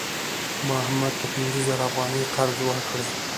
ما احمد ته پنځه زره افغانۍ قرض ورکړې.